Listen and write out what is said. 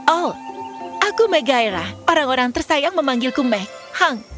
oh aku megaira orang orang tersayang memanggilku meg